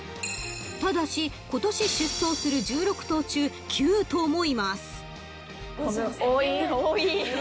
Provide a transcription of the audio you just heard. ［ただし今年出走する１６頭中９頭もいます］多い。